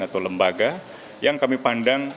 atau lembaga yang kami pandang